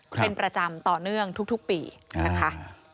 เป็นประจำต่อเนื่องทุกปีนะคะ